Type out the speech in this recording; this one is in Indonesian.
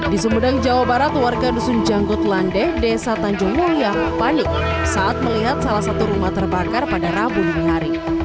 di sumedang jawa barat warga dusun janggut landeh desa tanjung mulia panik saat melihat salah satu rumah terbakar pada rabu dini hari